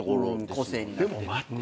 個性になって。